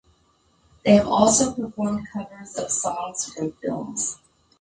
They have also performed covers of songs from films.